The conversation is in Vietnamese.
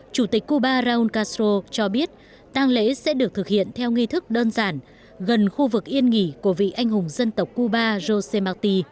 chủ tịch cuba raúl castro cho biết tàng lễ sẽ được thực hiện theo nghi thức đơn giản gần khu vực yên nghỉ của vị anh hùng dân tộc cuba jose marti